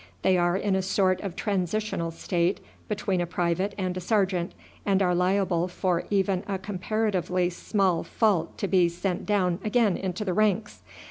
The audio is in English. They are in a sort of transitional state between a private and a sergeant, and are liable for even a comparatively small fault to be sent down again into the ranks.